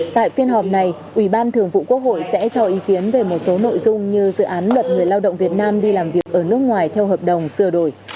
tại phiên họp này ủy ban thường vụ quốc hội sẽ cho ý kiến về một số nội dung như dự án luật người lao động việt nam đi làm việc ở nước ngoài theo hợp đồng sửa đổi